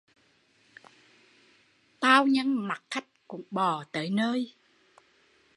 Tao nhân mặc khách cũng bò tới nơi